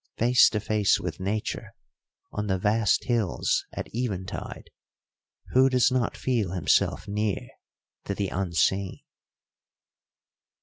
Face to face with Nature on the vast hills at eventide, who does not feel himself near to the Unseen?